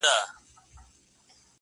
• تا څه کوئ اختر د بې اخترو په وطن کي_